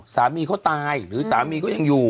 สามีเขาตายหรือสามีก็ยังอยู่